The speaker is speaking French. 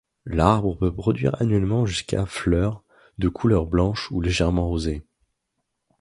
L'arbre peut produire annuellement jusqu'à fleurs de couleur blanche ou légèrement rosée.